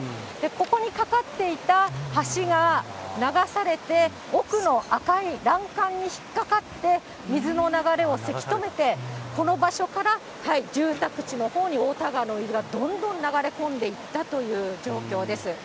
ここに架かっていた橋が流されて、奥の赤い欄干に引っ掛かって、水の流れをせき止めて、この場所から住宅地のほうに太田川の水がどんどん流れ込んでいったという状況です。